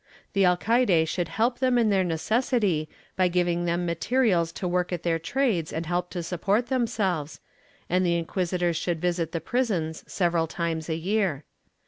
The alcaide should help them in their necessity by giving them mater ials to work at their trades and help to support themselves, and the inquisitors should visit the prison several times a year.'